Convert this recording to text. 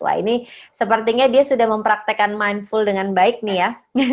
wah ini sepertinya dia sudah mempraktekan mindful dengan baik nih ya